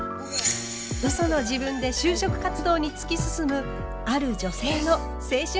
嘘の自分で就職活動に突き進むある女性の青春物語。